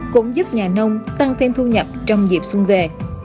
cũng giúp nhà nông tăng thêm thu nhập trong dịp xuân về